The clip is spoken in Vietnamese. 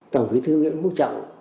tổng phí thư nguyễn phúc trọng